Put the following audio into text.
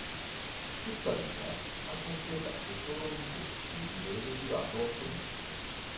Tuttavia, ha completato solo un corso di inglese durato otto mesi.